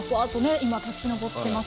今立ち上ってますね。